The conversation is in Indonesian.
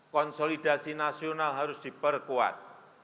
konsolidasi nasional harus diperkuat